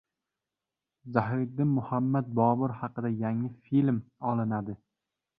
Zahiriddin Muhammad Bobur haqida yangi film olinadi